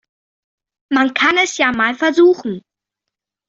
Man kann es ja mal versuchen.